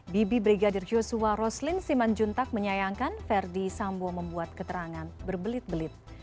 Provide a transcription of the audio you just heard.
bibi brigadir yosua roslin siman juntak menyayangkan ferdi sambo membuat keterangan berbelit belit